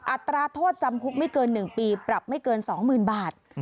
อัตราโทษจำคุกไม่เกิน๑ปีปรับไม่เกิน๒๐๐๐บาท